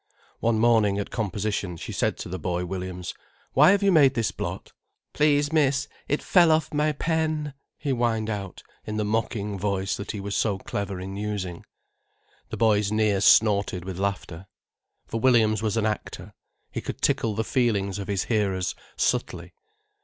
One morning, at composition, she said to the boy Williams: "Why have you made this blot?" "Please, miss, it fell off my pen," he whined out, in the mocking voice that he was so clever in using. The boys near snorted with laughter. For Williams was an actor, he could tickle the feelings of his hearers subtly.